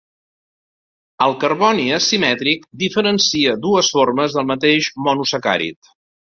El carboni asimètric diferencia dues formes del mateix monosacàrid.